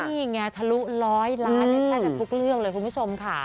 นี่ไงทะลุ๑๐๐ล้านได้แค่กับคุกเรื่องเลยคุณผู้ชมค่ะ